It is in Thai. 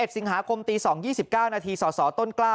๑สิงหาคมตี๒๒๙นาทีสสต้นกล้า